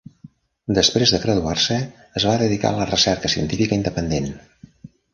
Després de graduar-se, es va dedicar a la recerca científica independent.